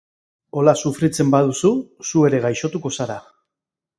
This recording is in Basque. Hola sufritzen baduzu zu ere gaixotuko zara.